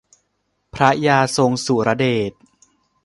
พระยาทรงสุรเดช